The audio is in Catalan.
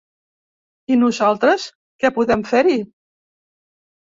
I nosaltres, què podem fer-hi?